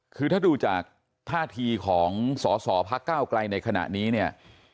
คือถ้าดูจากท่าทีของสอสอพักก้าวไกลในขณะนี้เนี่ย